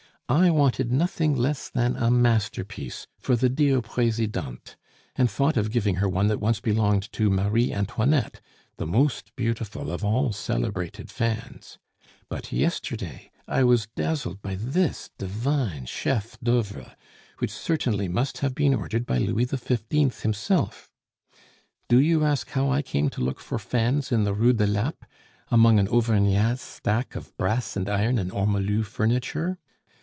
I wanted nothing less than a masterpiece for the dear Presidente, and thought of giving her one that once belonged to Marie Antoinette, the most beautiful of all celebrated fans. But yesterday I was dazzled by this divine chef d'oeuvre, which certainly must have been ordered by Louis XV. himself. Do you ask how I came to look for fans in the Rue de Lappe, among an Auvergnat's stock of brass and iron and ormolu furniture?